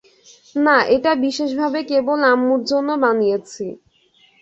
না, এটা বিশেষভাবে কেবল আম্মুর জন্য বানয়েছি।